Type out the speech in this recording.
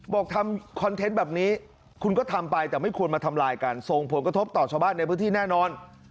บอกทำคอนเทนต์แบบนี้คุณก็ทำไปแต่ไม่ควรมาทำลายกันส่งผลกระทบต่อชาวบ้านในพื้นที่แน่นอน